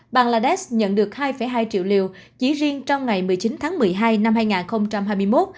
bangladesh nhận được hai hai triệu liều chỉ riêng trong ngày một mươi chín tháng một mươi hai năm hai nghìn hai mươi một